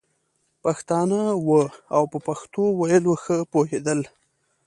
پښتانه وو او په پښتو ویلو ښه پوهېدل.